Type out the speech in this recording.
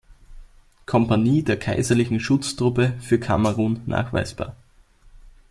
Kompanie der Kaiserlichen Schutztruppe für Kamerun nachweisbar.